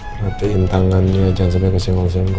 perhatiin tangannya jangan sampai kesenggol senggol